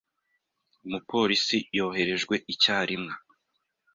Umupolisi yoherejwe icyarimwe.